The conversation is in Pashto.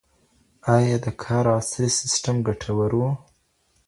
ایا د کار عصري سیستم ګټور و؟